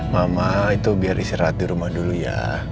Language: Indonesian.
mama itu biar istirahat di rumah dulu ya